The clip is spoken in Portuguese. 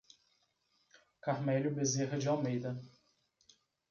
Carmelio Bezerra de Almeida